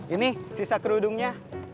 ini sisa kerudungnya